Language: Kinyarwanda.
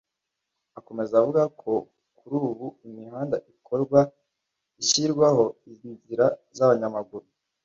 Akomeza avuga ko kuri ubu imihanda ikorwa ishyirwaho inzira z’abanyamaguru